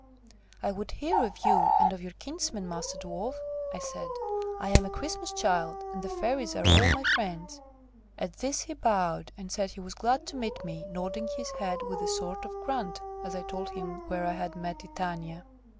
"I would hear of you, and of your kinsmen, Master Dwarf!" I said. "I am a Christmas Child, and the Fairies are all my friends." At this he bowed, and said he was glad to meet me, nodding his head with a sort of grunt as I told him where I had met Titania.